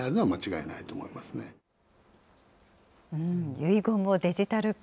遺言をデジタル化。